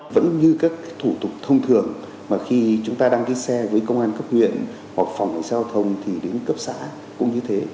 vẫn như các thủ tục thông thường mà khi chúng ta đăng ký xe với công an cấp huyện hoặc phòng cảnh giao thông thì đến cấp xã cũng như thế